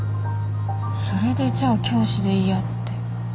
それでじゃあ教師でいいやって？